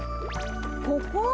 ここ？